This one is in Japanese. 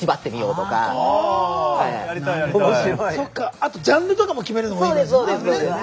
あとジャンルとか決めるのもいいかもしれないですよね。